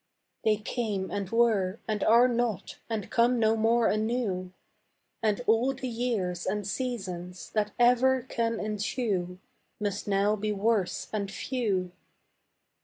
They came and were and are not And come no more anew; And all the years and seasons That ever can ensue Must now be worse and few.